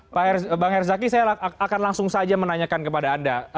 bang herzaki saya akan langsung saja menanyakan kepada anda